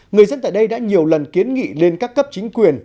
người dân tại đây đã nhiều lần kiến nghị lên các cấp chính quyền